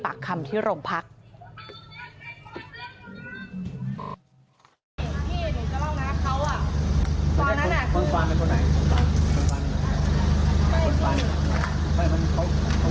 หลังพี่พี่คนนี้ตะโกน